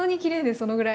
そのぐらい。